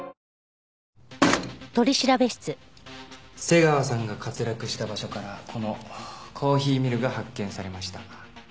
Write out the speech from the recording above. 瀬川さんが滑落した場所からこのコーヒーミルが発見されました。